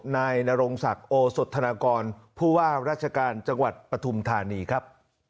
นายนรงศักดิ์โอสธนากรผู้ว่าราชการจังหวัดปฐุมธานีครับ